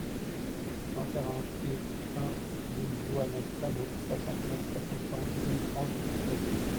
cent quarante et un rue Joannès Sabot, soixante-neuf, quatre cents, Villefranche-sur-Saône